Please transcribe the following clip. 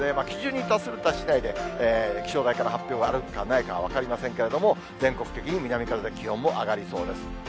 基準に達する達しないかで、気象台から発表があるかないか分かりませんけれども、全国的に南風で、気温も上がりそうです。